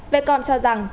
vecom cho rằng